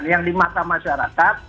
yang di mata masyarakat